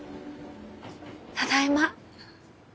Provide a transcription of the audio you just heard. ただいま。